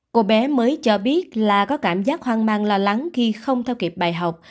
cô bé mới cho biết là có cảm giác hoang mang lo lắng khi không theo kịp bài học